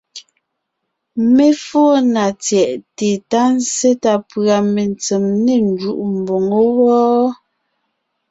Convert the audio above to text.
Mé fóo na tsyɛ̀ʼte ta zsé ta pʉ̀a metsem ne njúʼu mboŋó wɔ́,